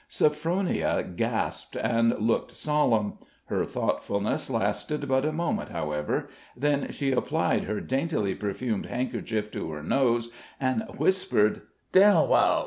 Sophronia gasped and looked solemn. Her thoughtfulness lasted but a moment, however; then she applied her daintily perfumed handkerchief to her nose and whispered: "Dellwild!